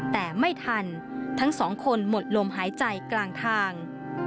แต่ไม่ทันทั้งสองคนหมดลมหายใจกลางทาง